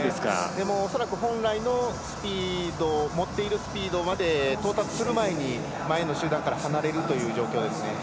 恐らく、本来の持っているスピードまで到達する前に前の集団から離れるという状況ですね。